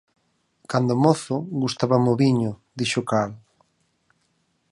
Cando mozo gustábame o viño, dixo Karl.